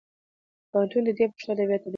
پوهنتونونه دې پښتو ادبیات تدریس کړي.